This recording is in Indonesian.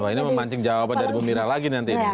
ini memancing jawaban dari bu mira lagi nanti